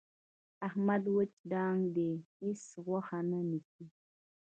احمد وچ ډانګ دی. هېڅ غوښه نه نیسي.